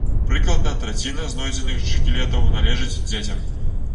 Прыкладна траціна знойдзеных шкілетаў належыць дзецям.